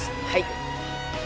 はい。